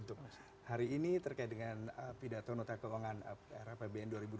untuk hari ini terkait dengan pidato notar keuangan rrpbn dua ribu dua puluh empat